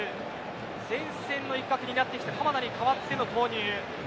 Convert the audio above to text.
前線の一角になってきた鎌田に代わっての投入。